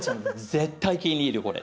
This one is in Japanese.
絶対気に入るよこれ。